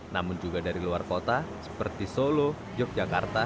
namun juga dari luar kota seperti solo yogyakarta